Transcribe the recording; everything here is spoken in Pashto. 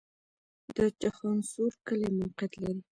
د چخانسور کلی موقعیت